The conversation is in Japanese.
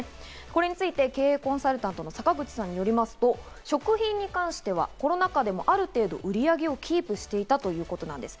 これについて経営コンサルタントの坂口さんによりますと、食品に関してはコロナ禍でもある程度、売り上げをキープしていたということなんです。